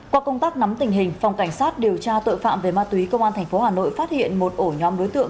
qua công tác nắm tình hình phòng cảnh sát điều tra tội phạm về ma túy công an tp hà nội phát hiện một ổ nhóm đối tượng